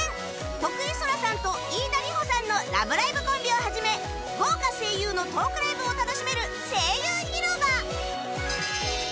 徳井青空さんと飯田里穂さんの『ラブライブ！』コンビを始め豪華声優のトークライブを楽しめる「声優ひろば」！